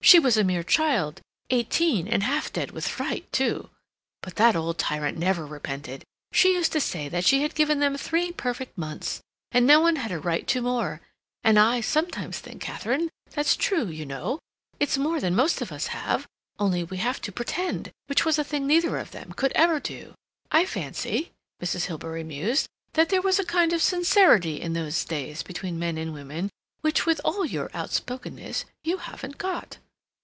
She was a mere child—eighteen—and half dead with fright, too. But that old tyrant never repented. She used to say that she had given them three perfect months, and no one had a right to more; and I sometimes think, Katharine, that's true, you know. It's more than most of us have, only we have to pretend, which was a thing neither of them could ever do. I fancy," Mrs. Hilbery mused, "that there was a kind of sincerity in those days between men and women which, with all your outspokenness, you haven't got."